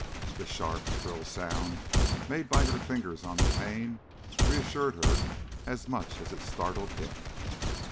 The sharp, shrill sound made by her fingers on the pane reassured her as much as it startled him.